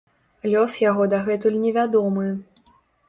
Лёс яго дагэтуль невядомы.